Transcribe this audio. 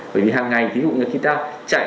bởi vì hằng ngày ví dụ như khi ta chạy